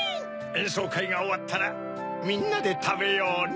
えんそうかいがおわったらみんなでたべようね。